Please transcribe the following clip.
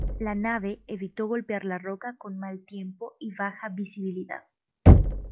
La nave evitó golpear la roca con mal tiempo y baja visibilidad.